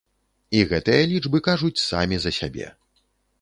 І гэтыя лічбы кажуць самі за сябе.